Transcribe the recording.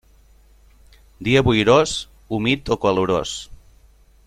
Dia boirós, humit o calorós.